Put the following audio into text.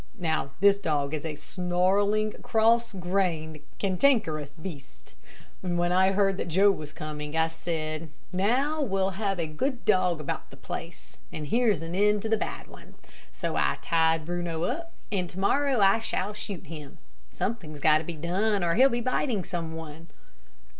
Now, this dog is a snarling, cross grained, cantankerous beast, and when I heard Joe was coming, I said: 'Now we'll have a good dog about the place, and here's an end to the bad one.' So I tied Bruno up, and to morrow I shall shoot him. Something's got to be done, or he'll be biting some one."